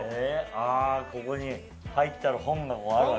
あここに入ったら本がある。